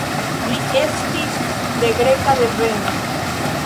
Li estis de greka deveno.